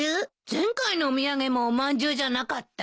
前回のお土産もおまんじゅうじゃなかった？